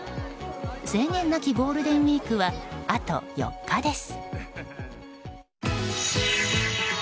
制限なきゴールデンウィークはあと４日です。